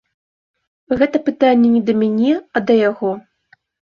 Гэта пытанне не да мяне, а да яго.